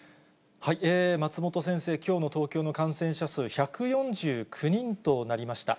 松本先生、きょうの東京の感染者数、１４９人となりました。